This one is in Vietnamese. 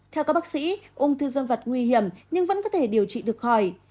theo các bác sĩ ung thư dân vật nguy hiểm nhưng vẫn có thể điều trị được khỏi